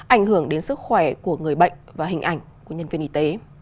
ảnh hưởng đến sức khỏe của người bệnh và hình ảnh của nhân viên y tế